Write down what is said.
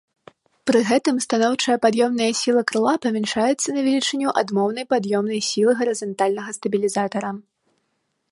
Пры гэтым станоўчая пад'ёмная сіла крыла памяншаецца на велічыню адмоўнай пад'ёмнай сілы гарызантальнага стабілізатара.